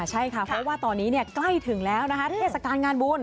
ใช่ค่ะตอนนี้ใกล้ถึงนะฮะเทศกาลงานบุญ